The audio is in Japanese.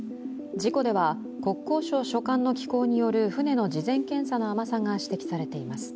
事故では国交省所管の機構による船の事前検査の甘さが指摘されています。